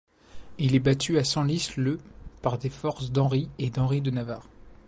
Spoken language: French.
Il est battu à Senlis le par les forces d'Henri et d'Henri de Navarre.